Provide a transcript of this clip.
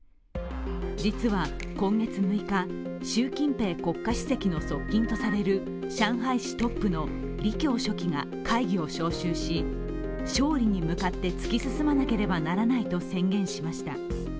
実は今月６日習近平国家主席の側近とされる上海市トップの李強書記が会議を招集し勝利に向かって突き進まなければならないと宣言しました。